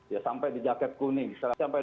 ya sampai di jaket kuning misalnya sampai